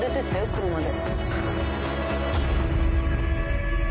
車で。